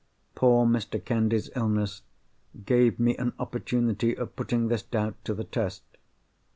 Poor Mr. Candy's illness gave me an opportunity of putting this doubt to the test.